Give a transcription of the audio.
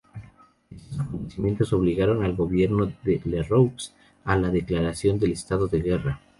Estos acontecimientos obligaron al gobierno de Lerroux a la declaración del estado de guerra.